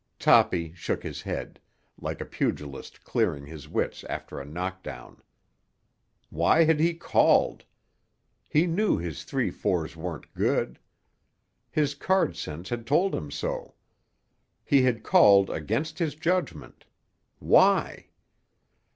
Toppy shook his head, like a pugilist clearing his wits after a knockdown. Why had he called? He knew his three fours weren't good. His card sense had told him so. He had called against his judgment. Why?